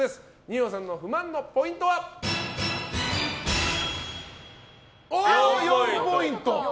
二葉さんの不満のポイントは４ポイント！